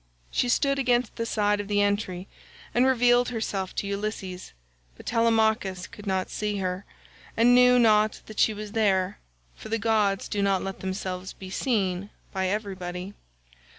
She stood against the side of the entry, and revealed herself to Ulysses, but Telemachus could not see her, and knew not that she was there, for the gods do not let themselves be seen by everybody.